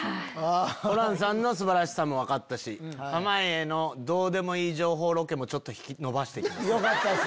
ホランさんの素晴らしさも分かったし濱家のどうでもいい情報ロケも伸ばして行きます。